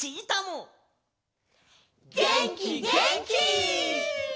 げんきげんき！